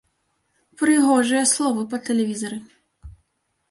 Прыгожыя словы па тэлевізары.